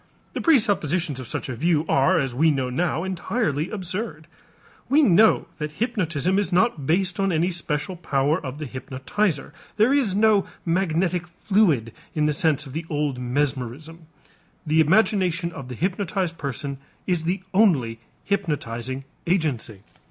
The presuppositions of such a view are, as we know now, entirely absurd. We know that hypnotism is not based on any special power of the hypnotizer; there is no magnetic fluid in the sense of the old mesmerism. The imagination of the hypnotized person is the only hypnotizing agency.